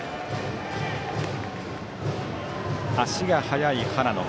足が速い原野。